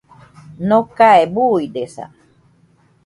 Nokae buidesa